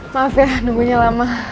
maaf ya nunggunya lama